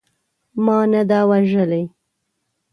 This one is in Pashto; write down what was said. ما نه ده وژلې.